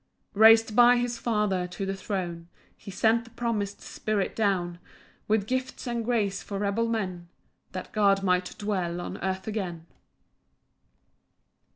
4 Rais'd by his Father to the throne, He sent the promis'd Spirit down, With gifts and grace for rebel men, That God might dwell on earth again.